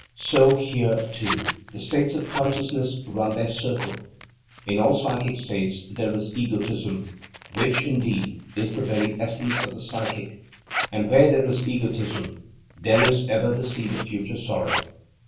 So here, too, the states of consciousness run their circle. In all psychic states there is egotism, which, indeed, is the very essence of the psychic; and where there is egotism there is ever the seed of future sorrow.